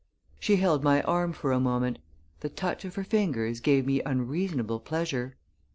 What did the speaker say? She held my arm for a moment. The touch of her fingers gave me unreasonable pleasure.